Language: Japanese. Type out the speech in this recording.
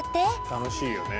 楽しいよね。